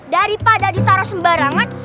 daripada ditaruh sembarangan